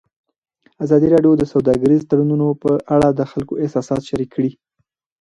ازادي راډیو د سوداګریز تړونونه په اړه د خلکو احساسات شریک کړي.